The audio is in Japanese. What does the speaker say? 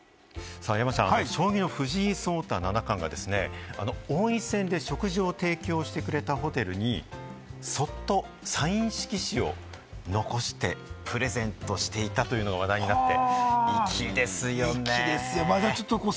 さあ山ちゃん、将棋の藤井聡太七冠がですね、王位戦で食事を提供してくれたホテルにそっとサイン色紙を残してプレセントしていったというのが話題になって。